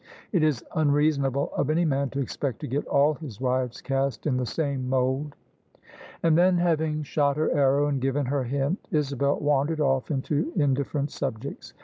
It is unreason able of any man to expect to get 'all his wives cast in the same mould I " And then — ^having shot her arrow and given her hint — Isabel wandered off into indifferent subjects.